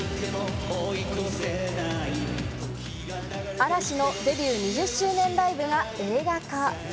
嵐のデビュー２０周年ライブが映画化。